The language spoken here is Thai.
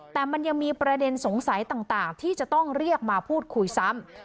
แต่มันยังมีประเด็นสงสัยต่างที่จะต้องเรียกมาพูดคุยซ้ำ